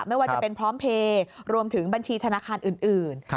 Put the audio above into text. ไม่ว่าจะเป็นพร้อมเพลย์รวมถึงบัญชีธนาคารอื่น